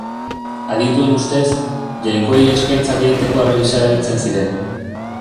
Adituen ustez, jainkoei eskaintzak egiteko harri gisa erabiltzen ziren.